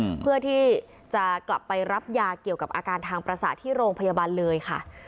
เพื่อที่จะกลับไปรับยาเกี่ยวกับอาการทางประสาทที่โรงพยาบาลเลยค่ะ